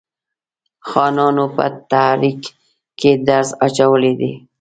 خانانو په تحریک کې درز اچولی دی.